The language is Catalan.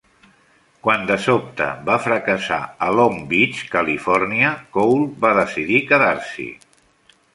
Quan de sobte va fracassar a Long Beach, Califòrnia, Cole va decidir quedar-s'hi.